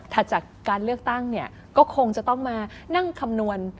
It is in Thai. จากการเลือกตั้งเนี่ยก็คงจะต้องมานั่งคำนวณ